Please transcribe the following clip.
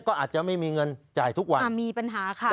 ก็อาจจะไม่มีเงินจ่ายทุกวันอ่ามีปัญหาค่ะ